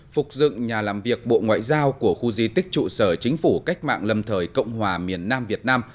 phục dựng nhà làm việc bộ ngoại giao của khu di tích trụ sở chính phủ cách mạng lâm thời cộng hòa miền nam việt nam